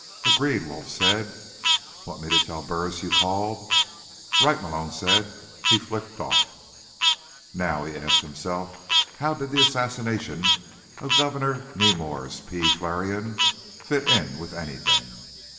"Agreed," Wolf said. "Want me to tell Burris you called?" "Right," Malone said. He flicked off. Now, he asked himself, how did the assassination of Governor Nemours P. Flarion fit in with anything?